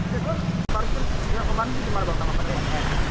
jadi parkir di area taman ini bagaimana bang